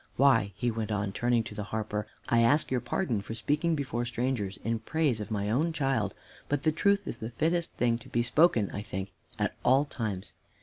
Why," he went on, turning to the harper, "I ask your pardon for speaking before strangers in praise of my own child; but the truth is the fittest thing to be spoken, I think, at all times.